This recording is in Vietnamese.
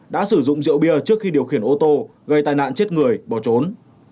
đã sử dụng rượu bia trước khi điều khiển ô tô gây tai nạn chết người bỏ trốn